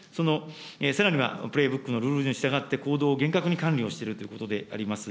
さらには、プレーブックのルールに従って行動を厳格に管理をしているということであります。